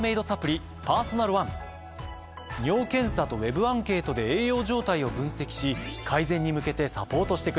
尿検査とＷＥＢアンケートで栄養状態を分析し改善に向けてサポートしてくれるんです。